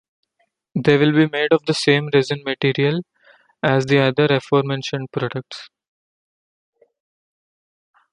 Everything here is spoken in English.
They will be made of the same resin material as the other aforementioned products.